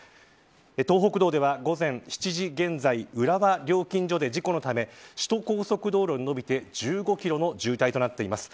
東北道では午前７時現在浦和料金所で事故のため首都高速道路に延びて１５キロの渋滞となっています。